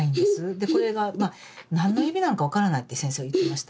でこれがまあ何の指なのか分からないって先生は言ってました。